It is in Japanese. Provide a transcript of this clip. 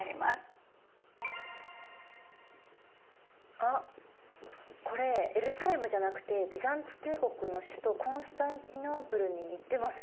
あっこれエルサレムじゃなくてビザンツ帝国の首都コンスタンティノープルに行ってますよ？